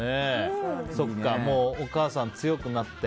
もうお母さん、強くなって。